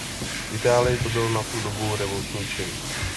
V Itálii to byl na tu dobu revoluční čin.